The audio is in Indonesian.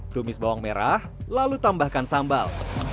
tumis bawang merah lalu tambahkan sambal